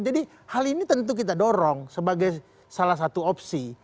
jadi hal ini tentu kita dorong sebagai salah satu opsi